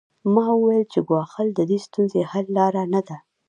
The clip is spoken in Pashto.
ما وویل چې ګواښل د دې ستونزې حل لاره نه ده